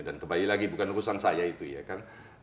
dan kembali lagi bukan urusan saya itu ya kan